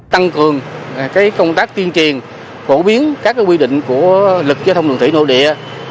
tăng cường công tác tiên triền bổ biến các quy định của lực chế thông đường thủy nội địa